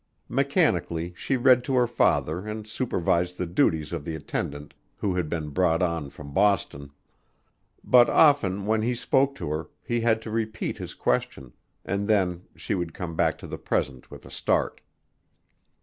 Mechanically she read to her father and supervised the duties of the attendant who had been brought on from Boston, but often when he spoke to her he had to repeat his question, and then she would come back to the present with a start.